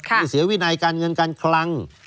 ที่เสียวินัยการเงินการคลัง